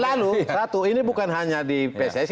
lalu satu ini bukan hanya di pcc